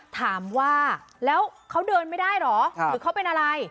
ถามว่าแล้วเขาเดินไม่ได้เหรอหรือเขาเป็นอะไร